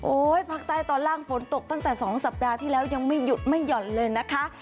ภาคใต้ตอนล่างฝนตกตั้งแต่๒สัปดาห์ที่แล้วยังไม่หยุดไม่หย่อนเลยนะคะ